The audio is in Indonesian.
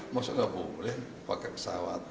maksudnya boleh pakai pesawat